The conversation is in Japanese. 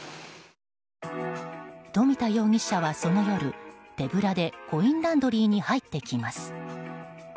冨田容疑者はその夜、手ぶらでコインランドリーに入っていきます。